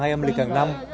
màu lịch hàng năm